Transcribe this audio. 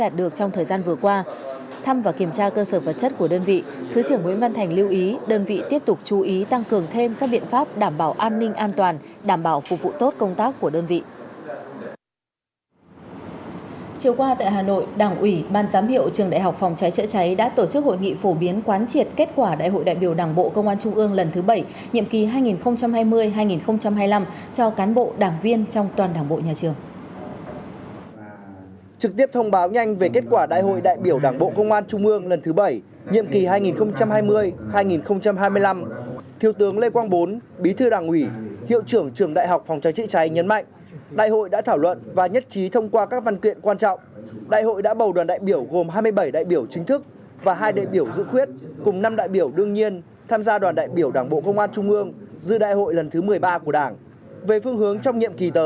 trong thời gian vừa qua thứ trưởng nguyễn văn thành lưu ý đơn vị tiếp tục chú ý tăng cường thêm các biện phổ biến quán triệt kết quả đại hội đại biểu đảng bộ công an trung ương lần thứ bảy nhiệm kỳ hai nghìn hai mươi hai nghìn hai mươi năm cho cán bộ đảng viên trong toàn đảng bộ nhà trường